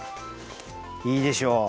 いいでしょ？